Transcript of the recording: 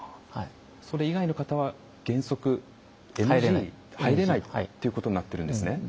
それ以外の方は原則ＮＧで入れないということになってるんですね。